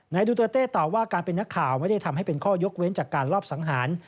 ดูเตอร์เต้ตอบว่าการเป็นนักข่าวไม่ได้ทำให้เป็นข้อยกเว้นจากการลอบสังหาร